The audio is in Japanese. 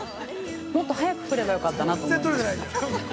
もっと早く来ればよかったなと思いました。